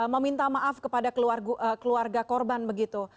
meminta maaf kepada keluarga korban begitu